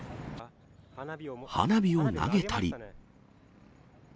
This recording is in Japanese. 花火を投げたり。